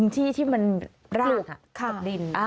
ที่ที่มันรากกับดิน